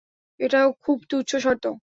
এটাও খুবই তুচ্ছ শর্ত।